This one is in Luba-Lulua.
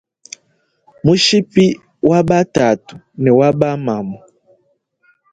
Mushipi wa ba tatue ne wa ba mamu.